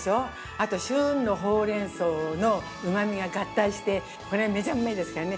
あとのホウレンソウのうまみが合体してこれ、めちゃうまいですからね。